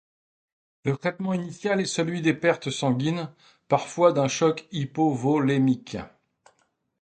Le traitement initial est celui des pertes sanguines, parfois d'un choc hypovolémique.